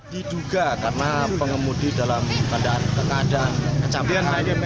diduga karena pengemudi dalam keadaan kecapian